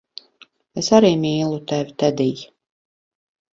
Es arī mīlu tevi, Tedij.